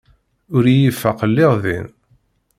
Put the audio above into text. Ur iyi-ifaq lliɣ din.